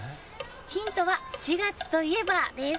ヒントは「４月といえば」です。